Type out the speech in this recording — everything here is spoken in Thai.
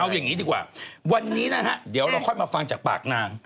เอาอย่างนี้ดีกว่าวันนี้นะฮะเดี๋ยวเราค่อยมาฟังจากปากนาง